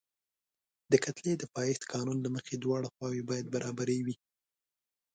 د کتلې د پایښت قانون له مخې دواړه خواوې باید برابرې وي.